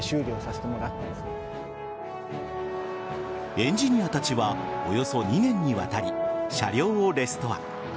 エンジニアたちはおよそ２年にわたり車両をレストア。